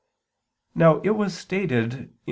Now it was stated (Q.